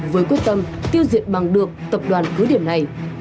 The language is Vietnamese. với quyết tâm tiêu diệt bằng được tập đoàn cứ điểm này